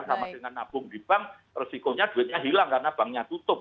sama dengan nabung di bank resikonya duitnya hilang karena banknya tutup